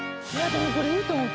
でもこれいいと思う。